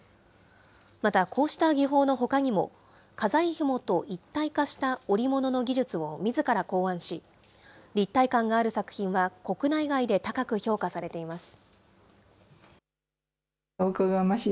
また、こうした技法のほかにも、飾りひもと一体化した織物の技術を、みずから考案し、立体感がある作品は国内外で高く評価されています。